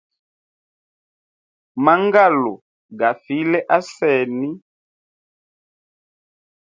Mangalu, gafile asesi.